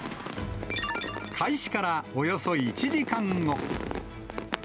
開始からおよそ１時間後。